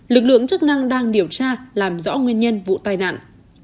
lực lượng chức năng đang điều tra làm rõ nguyên nhân vụ tai nạn